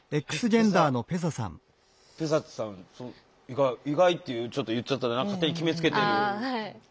意外意外っていうちょっと言っちゃったら勝手に決めつけてる。